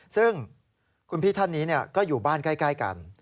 ซึ่งคุณพี่ท่านนี้ก็อยู่บ้านใกล้กัน